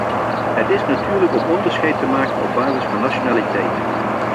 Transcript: Het is natuurlijk om onderscheid te maken op basis van nationaliteit.